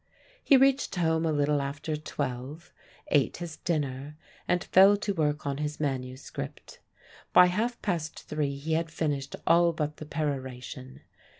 He reached home a little after twelve, ate his dinner, and fell to work on his manuscript. By half past three he had finished all but the peroration.